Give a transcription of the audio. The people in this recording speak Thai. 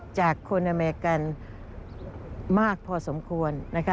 จากคนอเมริกันมากพอสมควร